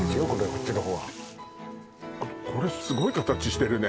こっちのほうはこれすごい形してるね